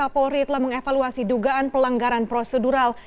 polri telah mengevaluasi dugaan pelanggaran prosedural